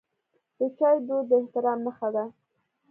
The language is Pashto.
د چای دود د احترام نښه ده.